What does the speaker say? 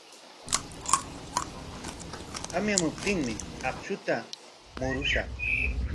Tamyamuptinmi akshuta murushaq.